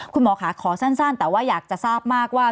คุณหมอค่ะขอสั้นแต่ว่าอยากจะทราบมากว่า